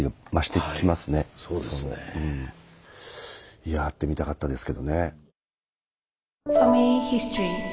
いや会ってみたかったですけどね。